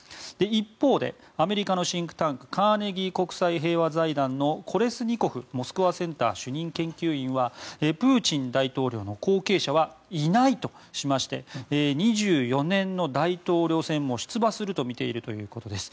一方でアメリカのシンクタンクカーネギー国際平和財団のコレスニコフモスクワセンター主任研究員はプーチン大統領の後継者はいないとしまして２４年の大統領選も出馬するとみているということです。